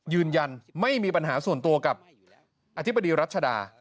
ยืนยันไม่มีปัญหาส่วนตัวกับอธิบดีรัชดา